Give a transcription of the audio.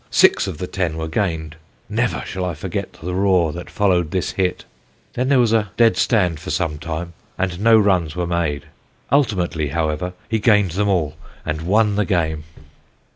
Six of the ten were gained. Never shall I forget the roar that followed this hit. Then there was a dead stand for some time, and no runs were made; ultimately, however, he gained them all, and won the game.